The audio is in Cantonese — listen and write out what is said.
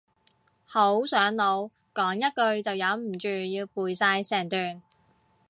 好上腦，講一句就忍唔住要背晒成段